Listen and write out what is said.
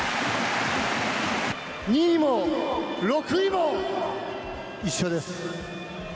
２位も６位も一緒です。